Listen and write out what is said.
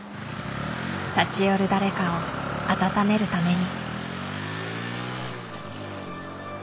立ち寄る誰かを温めるために。